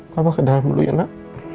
papa ke dalam dulu ya nak